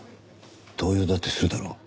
動揺だってするだろう。